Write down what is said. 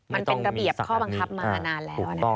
มันเป็นระเบียบข้อบังคับมานานแล้วนะคะ